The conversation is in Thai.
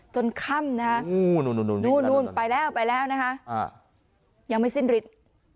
ค่ำนะฮะนู่นไปแล้วไปแล้วนะคะยังไม่สิ้นฤทธิ์